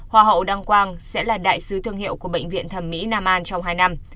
hoa hậu đăng quang sẽ là đại sứ thương hiệu của bệnh viện thẩm mỹ nam an trong hai năm